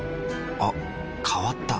あ変わった。